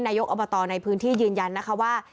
นายกอบตในพื้นที่ยืนยันนะคะว่า